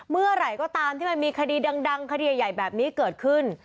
เมื่อไหร่ก็ตามที่มันมีคดีดังคดีใหญ่แบบนี้เกิดขึ้น